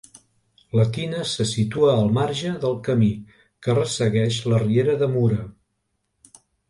La tina se situa al marge del camí que ressegueix la riera de Mura.